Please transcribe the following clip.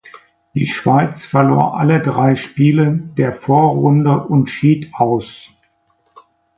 Die Schweiz verlor alle drei Spiele der Vorrunde und schied aus.